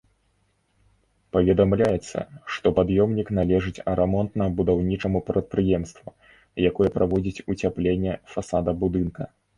Паведамляецца, што пад'ёмнік належыць рамонтна-будаўнічаму прадпрыемству, якое праводзіць уцяпленне фасада будынка.